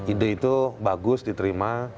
ide itu bagus diterima